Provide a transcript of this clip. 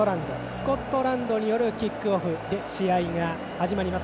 スコットランドによるキックオフで試合が始まります